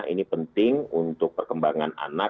ini penting untuk perkembangan anak